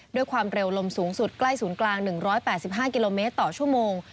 ด้วยความเร็วลมสูงสุดใกล้ศูนย์กลาง๑๘๕กิโลเมตรต่อชั่วโมง